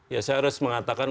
ya saya harus mengatakan